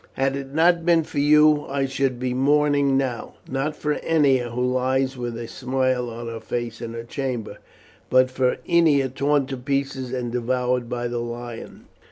Had it not been for you, I should be mourning now, not for Ennia who lies with a smile on her face in her chamber, but for Ennia torn to pieces and devoured by the lion.